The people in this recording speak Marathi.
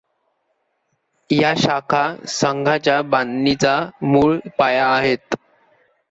या शाखा संघाच्या बांधणीचा मूळ पाया आहेत.